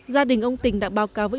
gia đình ông tình đã báo cáo với